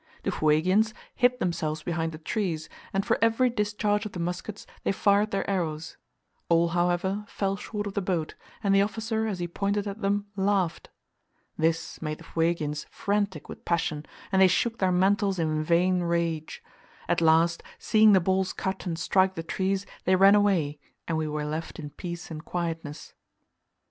The Fuegians hid themselves behind the trees, and for every discharge of the muskets they fired their arrows; all, however, fell short of the boat, and the officer as he pointed at them laughed. This made the Fuegians frantic with passion, and they shook their mantles in vain rage. At last, seeing the balls cut and strike the trees, they ran away, and we were left in peace and quietness.